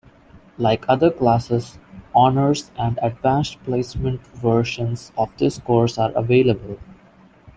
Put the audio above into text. Like other classes, Honors and Advanced Placement versions of this course are available.